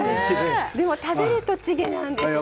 でも食べるとチゲなんですよね。